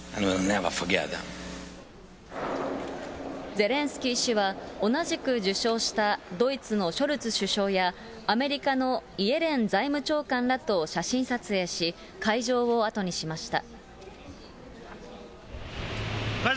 ゼレンスキー氏は、同じく受賞したドイツのショルツ首相や、アメリカのイエレン財務長官らと写真撮影し、会場を後にしました。